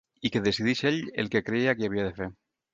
I que decidís ell què creia que havia de fer.